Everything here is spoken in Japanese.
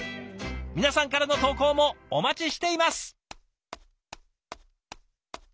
皆さんからの投稿もお待ちしています。